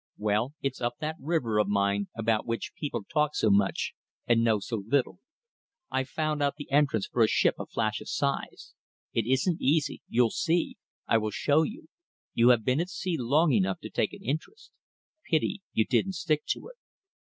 Well, it's up that river of mine about which people talk so much and know so little. I've found out the entrance for a ship of Flash's size. It isn't easy. You'll see. I will show you. You have been at sea long enough to take an interest. ... Pity you didn't stick to it.